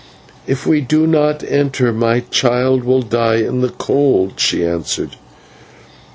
"If we do not enter, my child will die in the cold," she answered.